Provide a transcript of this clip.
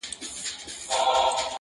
په لوی لاس به ورانوي د ژوندون خونه.!